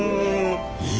え！